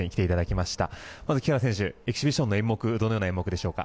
まず、木原選手エキシビションの演目どのような演目でしょうか。